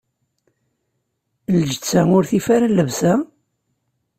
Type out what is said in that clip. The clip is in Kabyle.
Lǧetta, ur tif ara llebsa?